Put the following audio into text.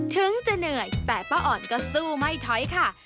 ถึงจะเหนื่อยแต่ป้าอ่อนก็สู้ไม่ถอยค่ะ